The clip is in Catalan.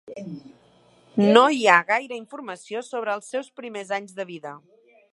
No hi ha gaire informació sobre els seus primers anys de vida.